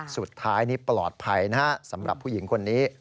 สุดท้ายนี้ปลอดภัยนะฮะสำหรับผู้หญิงคนนี้